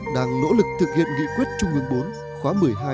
đang nỗ lực thực hiện nghị quyết trung ương bốn khóa một mươi hai